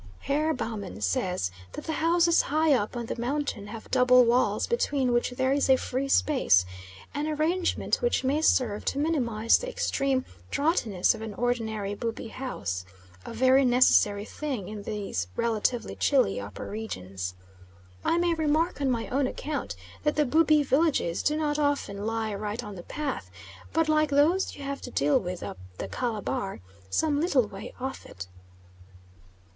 Herr Baumann says that the houses high up on the mountain have double walls between which there is a free space; an arrangement which may serve to minimise the extreme draughtiness of an ordinary Bubi house a very necessary thing in these relatively chilly upper regions. I may remark on my own account that the Bubi villages do not often lie right on the path, but, like those you have to deal with up the Calabar, some little way off it.